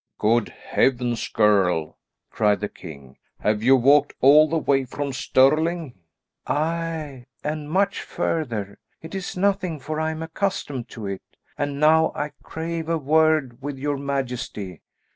"Good heavens, girl!" cried the king; "have you walked all the way from Stirling?" "Aye, and much further. It is nothing, for I am accustomed to it. And now I crave a word with your majesty."